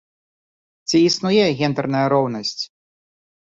Ці існуе гендэрная роўнасць?